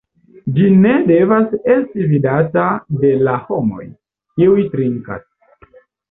Ĝi ne devas esti vidata de la homoj, kiuj trinkas.